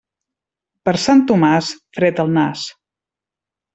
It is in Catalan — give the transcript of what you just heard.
Per Sant Tomàs, fred al nas.